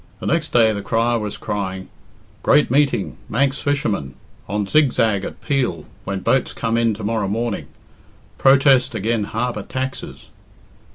Next day the crier was crying: "Great meeting Manx fishermen on Zigzag at Peel when boats come in to morrow morning protest agen harbour taxes."